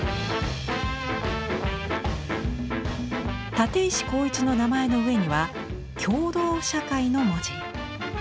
立石紘一の名前の上には「共同社会」の文字。